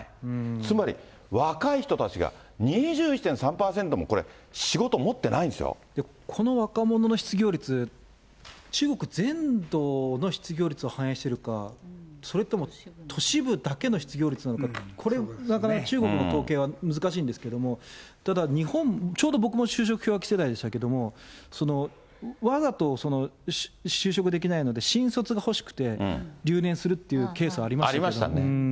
つまり若い人たちが、２１．３％もこれ、この若者の失業率、中国全土の失業率を反映しているのか、それとも都市部だけの失業率なのか、これ、なかなか中国の統計は難しいんですけれども、ただ、日本、ちょうど僕も就職氷河期世代でしたけども、そのわざと、その就職できないので、新卒が欲しくて留年するというケース、ありましたありましたね。